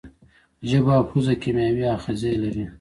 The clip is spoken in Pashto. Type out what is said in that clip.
ژبه او پزه کیمیاوي آخذې لري.